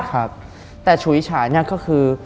ครับแต่ฉุยฉายเนี่ยก็คือ